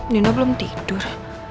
dino belum tidur